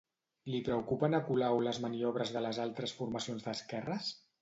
Li preocupen a Colau les maniobres de les altres formacions d'esquerres?